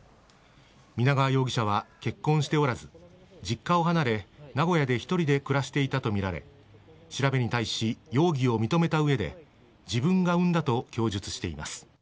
皆川容疑者は結婚しておらず実家を離れ、名古屋で１人で暮らしていたとみられ調べに対し、容疑を認めた上で自分が産んだと供述しています。